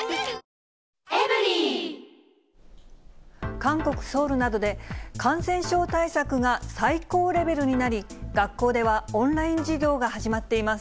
韓国・ソウルなどで、感染症対策が最高レベルになり、学校ではオンライン授業が始まっています。